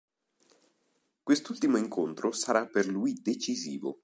Quest'ultimo incontro sarà per lui decisivo.